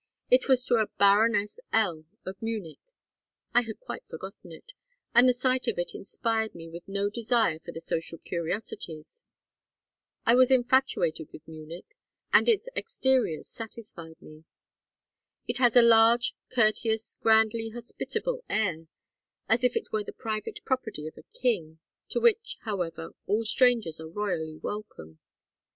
It was to a Baroness L., of Munich. I had quite forgotten it, and the sight of it inspired me with no desire for the social curiosities. I was infatuated with Munich, and its exteriors satisfied me. It has a large courteous grandly hospitable air, as if it were the private property of a king, to which, however, all strangers are royally welcome.